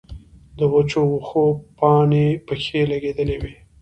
د وچو وښو پانې پکښې لګېدلې وې